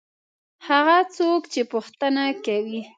هغه څوک چې پوښتنه کوي.